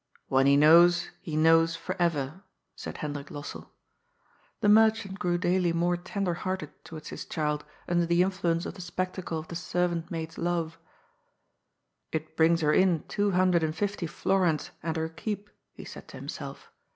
"When he knows, he knows forever," said Hendrik Lossell. The merchant grew daily more tender hearted towards 60 GOD'S FOOL. his child nnder the influence of the spectacle of the servaxit maid's love. " It brings her in two hundred and fifty florins and her keep," he said to himself.